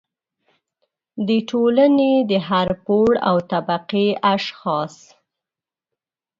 د ټولنې د هر پوړ او طبقې اشخاص